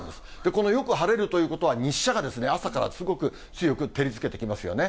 このよく晴れるということは、日射が朝からすごく強く照りつけてきますよね。